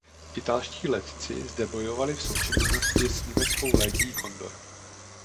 Italští letci zde bojovali v součinnosti s německou Legií Condor.